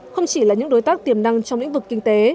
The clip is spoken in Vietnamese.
không chỉ là những đối tác tiềm năng trong lĩnh vực kinh tế